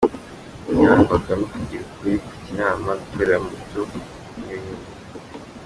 Yarangwaga no kugira ukuri, kujya inama, gukorera mu mucyo n’ibindi.